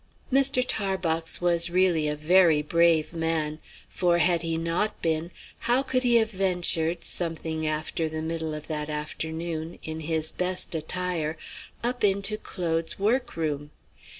Mr. Tarbox was really a very brave man. For, had he not been, how could he have ventured, something after the middle of that afternoon, in his best attire, up into Claude's workroom?